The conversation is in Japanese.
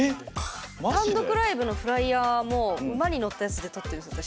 単独ライブのフライヤーも馬に乗ったやつで撮ってるんですよ